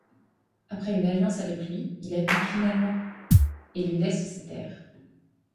Après une alliance avec lui, il abdique finalement et lui laisse ses terres.